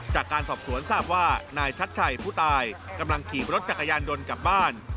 จากการสอบสวนทราบว่านายชัดชัยผู้ตายกำลังขี่รถจักรยานยนต์กลับบ้าน